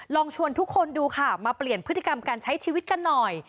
ลองชวนทุกคนดูค่ะมาเปลี่ยนพฤติกรรมการใช้ชีวิตกันหน่อย